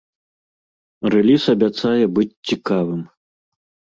Рэліз абяцае быць цікавым.